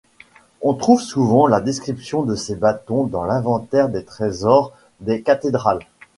On trouve souvent la description de ces bâtons dans l'inventaire des trésors des cathédrales.